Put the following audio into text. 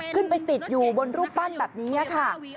ขึ้นไปติดอยู่บนรูปปั้นแบบนี้ค่ะ